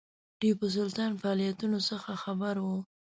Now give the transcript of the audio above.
ټیپو سلطان فعالیتونو څخه خبر وو.